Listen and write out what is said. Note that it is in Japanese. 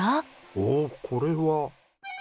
おおこれは？